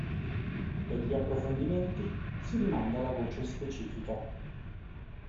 Per gli approfondimenti si rimanda alla voce specifica.